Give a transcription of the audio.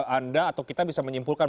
anda atau kita bisa menyimpulkan